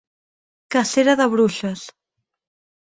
Cacera de bruixes.